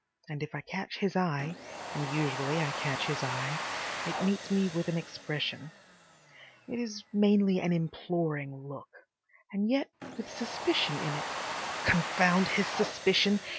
And if I catch his eye—and usually I catch his eye—it meets me with an expression. It is mainly an imploring look—and yet with suspicion in it. Confound his suspicion!